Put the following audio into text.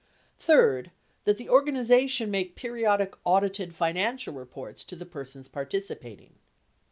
Third, that the organization make periodic audited financial reports to the persons participating.